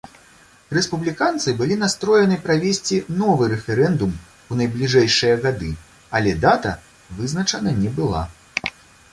Рэспубліканцы былі настроены правесці новы рэферэндум у найбліжэйшыя гады, але дата вызначана не была.